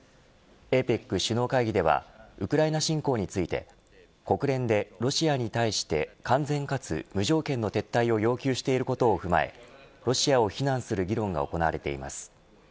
ＡＰＥＣ首脳会議ではウクライナ侵攻について国連で、ロシアに対して完全かつ無条件の撤退を要求していることを踏まえロシアを非難する議論が行われています。